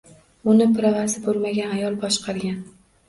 Uni “prava”si bo‘lmagan ayol boshqargan